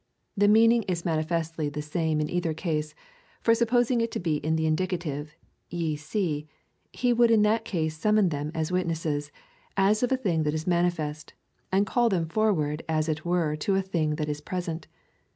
The meaning is mani festly the same in either case, for supposing it to be the in dicative {ye see,) he would in that case summon them as witnesses — as of a thing that is manifest, and call them for ward as it were to a thing that is present.